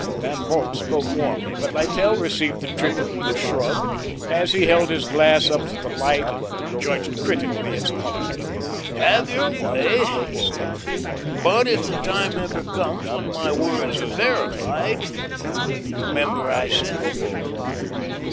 Van Bult spoke warmly, but Littell received the tribute with a shrug as he held his glass up to the light and judged critically its color. "Have your way," he said, "but if the time ever comes when my words are verified, remember I said them."